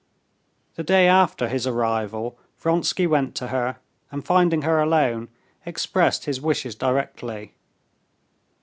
The day after his arrival Vronsky went to her, and finding her alone, expressed his wishes directly.